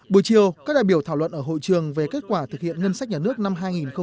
buổi chiều các đại biểu thảo luận ở hội trường về kết quả thực hiện ngân sách nhà nước năm hai nghìn một mươi tám